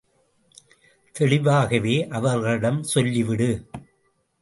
தெளிவாகவே அவர்களிடம் சொல்லிவிடு.